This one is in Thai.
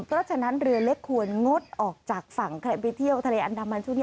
เพราะฉะนั้นเรือเล็กควรงดออกจากฝั่งใครไปเที่ยวทะเลอันดามันช่วงนี้